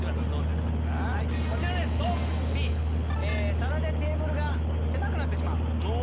「皿でテーブルが狭くなってしまう」。